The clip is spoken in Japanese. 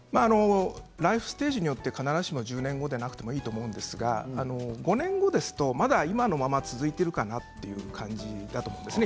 ライフステージによって必ずしも１０年後ではなくていいと思うんですが５年後ですと、まだ今のまま続いているかなという感じだと思いますね。